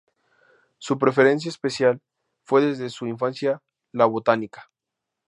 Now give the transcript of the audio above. Su preferencia especial fue desde su infancia la botánica.